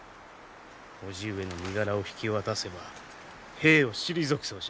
叔父上の身柄を引き渡せば兵を退くそうじゃ。